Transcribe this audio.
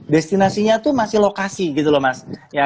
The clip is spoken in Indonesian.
destinasinya itu masih lokasi gitu loh mas